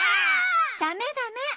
ダメダメッ！